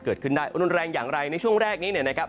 เกิดขึ้นได้รุนแรงอย่างไรในช่วงแรกนี้เนี่ยนะครับ